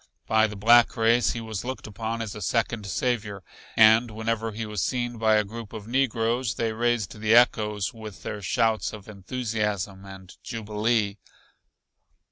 By the black race he was looked upon as a second Savior and whenever he was seen by a group of negroes they raised the echoes with their shouts of enthusiasm and jubilee.